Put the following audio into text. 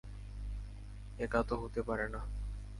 একা তো হতে পারে না।